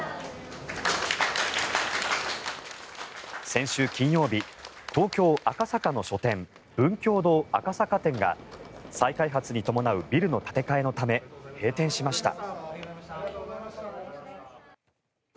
先週金曜日東京・赤坂の書店文教堂赤坂店が再開発に伴うビルの建て替えのため閉店しました。